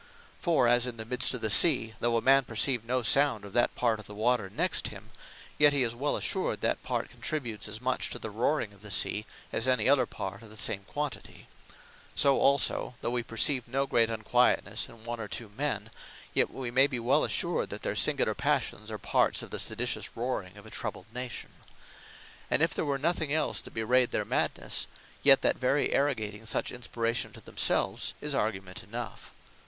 For as in the middest of the sea, though a man perceive no sound of that part of the water next him; yet he is well assured, that part contributes as much, to the Roaring of the Sea, as any other part, of the same quantity: so also, thought wee perceive no great unquietnesse, in one, or two men; yet we may be well assured, that their singular Passions, are parts of the Seditious roaring of a troubled Nation. And if there were nothing else that bewrayed their madnesse; yet that very arrogating such inspiration to themselves, is argument enough.